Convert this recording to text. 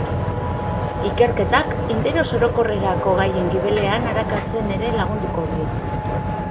Ikerketak interes orokorrerako gaien gibelean arakatzen ere lagunduko dio.